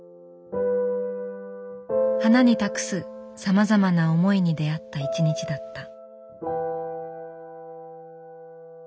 花に託すさまざまな思いに出会った一日だった。